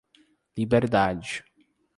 Liberdade